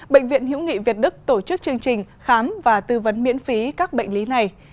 bệnh viện hiễu nghị việt đức tổ chức chương trình khám và tư vấn miễn phí các bệnh lý này